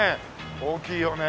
大きいよね。